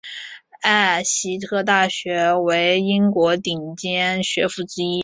艾希特大学为英国顶尖学府之一。